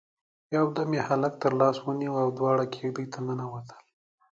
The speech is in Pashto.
يودم يې هلک تر لاس ونيو او دواړه کېږدۍ ته ننوتل.